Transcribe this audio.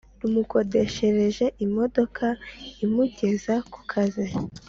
Rumukodeshereza imodoka imugeza ku kazi